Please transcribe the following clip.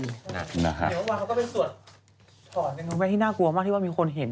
เดี๋ยวว่าเขาก็เป็นส่วนส่วนหนึ่งไว้ที่น่ากลัวมากที่ว่ามีคนเห็น